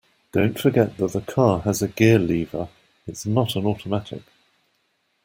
Don't forget that the car has a gear lever; it's not an automatic